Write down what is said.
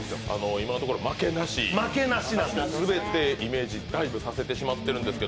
今のところ負けなし、すべてイメージダイブさせているんですが。